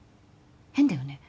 変だよね